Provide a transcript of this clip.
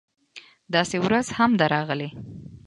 داسې ورځ هم ده راغلې